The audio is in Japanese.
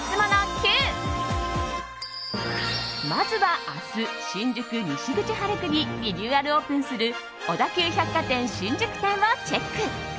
まずは明日、新宿西口ハルクにリニューアルオープンする小田急百貨店新宿店をチェック。